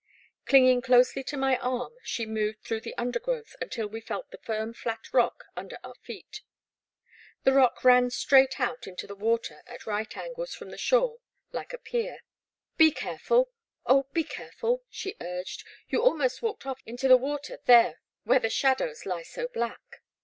*' Clinging closely to my arm, she moved through the undergrowth until we felt the firm flat rock under our feet. The rock ran straight out into the water at right angles from the shore like a pier. IS 1 78 The Black Water. Be careful — oh, be careful/' she urged, '* you almost walked oflF into the water there where the shadows lie so black.''